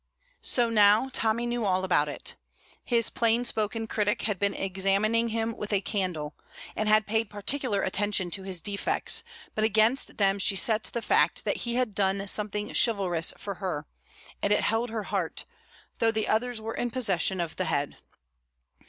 So now Tommy knew all about it. His plain spoken critic had been examining him with a candle, and had paid particular attention to his defects; but against them she set the fact that he had done something chivalrous for her, and it held her heart, though the others were in possession of the head.